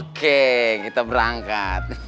oke kita berangkat